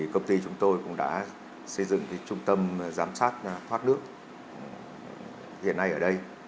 công ty chúng tôi cũng đã xây dựng trung tâm giám sát thoát nước hiện nay ở đây